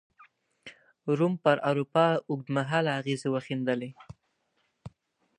روم پر اروپا اوږد مهاله اغېزې وښندلې.